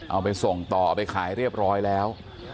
เอาไปส่งต่อเอาไปขายเรียบร้อยแล้ว